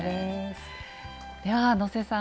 では能勢さん